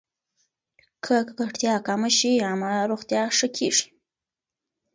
که ککړتیا کمه شي، عامه روغتیا ښه کېږي.